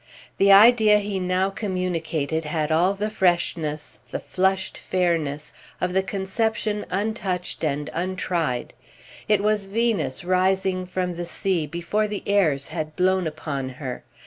The idea he now communicated had all the freshness, the flushed fairness, of the conception untouched and untried: it was Venus rising from the sea and before the airs had blown upon her.